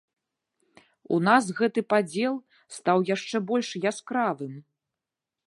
У нас гэты падзел стаў яшчэ больш яскравым.